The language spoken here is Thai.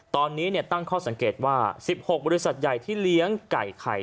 ตอนนี้ตั้งข้อสังเกตว่า๑๖บริษัทใหญ่ที่เลี้ยงไก่ไข่